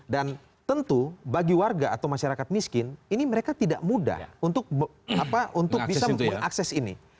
tentu bagi warga atau masyarakat miskin ini mereka tidak mudah untuk bisa mengakses ini